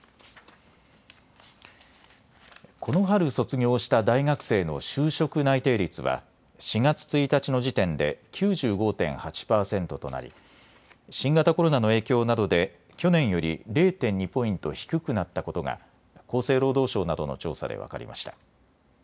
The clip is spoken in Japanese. この春卒業した大学生の就職内定率は４月１日の時点で９５．８％となり新型コロナの影響などで去年より０．２ポイント低くなったことが厚生労働省などの調査で分かりました。